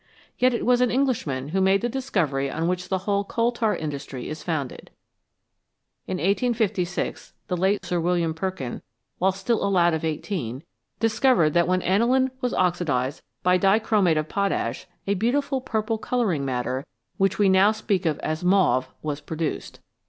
Yet it was an Englishman who made the discovery on which the whole coal tar industry is founded. In 1856, the late Sir William Perkin, while still a lad of eighteen, discovered that when aniline was oxidised by dichromate of potash, a beautiful purple colouring matter, which we now speak of as mauve, was produced.